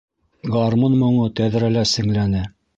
Гармун моңо тәҙрәлә сеңләне.